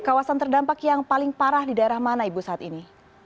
kawasan terdampak yang paling parah di daerah mana ibu saat ini